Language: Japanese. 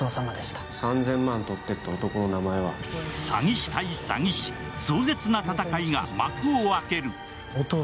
詐欺師対詐欺師、壮絶な戦いが幕を明ける。